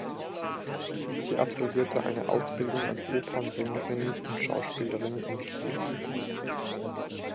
Sie absolvierte eine Ausbildung als Opernsängerin und Schauspielerin in Kiel.